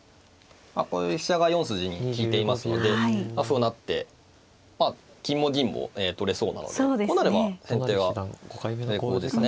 まあこういう飛車が４筋に利いていますので歩を成って金も銀も取れそうなのでこうなれば先手は成功ですね。